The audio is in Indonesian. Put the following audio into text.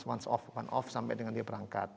sebenarnya nabung once off sampai dengan dia berangkat